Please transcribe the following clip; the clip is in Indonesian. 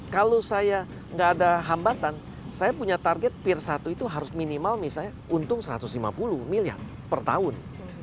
kalau saya nggak ada hambatan saya punya target pir satu itu harus minimal misalnya untung satu ratus lima puluh miliar per tahun